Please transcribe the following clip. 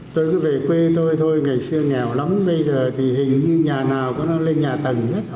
tôi cứ về quê tôi thôi ngày xưa nghèo lắm bây giờ thì hình như nhà nào có nó lên nhà tầng hết